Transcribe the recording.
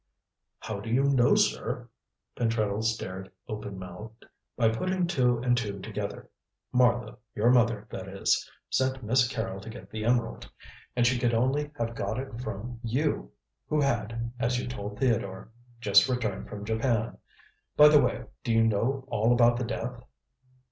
"How did you know, sir?" Pentreddle stared open mouthed. "By putting two and two together. Martha your mother, that is sent Miss Carrol to get the emerald, and she could only have got it from you, who had as you told Theodore just returned from Japan. By the way, do you know all about the death?"